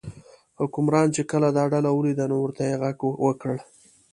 حکمران چې کله دا ډله ولیده نو ورته یې غږ وکړ.